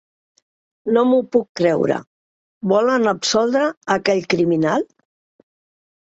No m'ho puc creure: volen absoldre aquell criminal.